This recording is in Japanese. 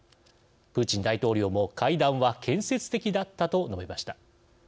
プーチン大統領も「会談は建設的だった」と述べました。